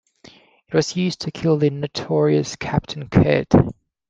It was used to kill the notorious Captain Kidd.